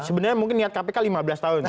sebenarnya mungkin niat kpk lima belas tahun